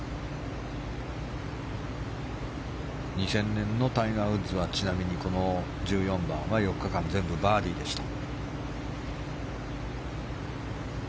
２０００年のタイガー・ウッズはちなみに、この１４番は４日間、全部バーディーでした。